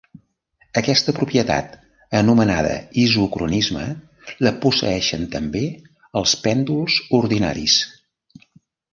Aquesta propietat, anomenada isocronisme, la posseeixen també els pèndols ordinaris.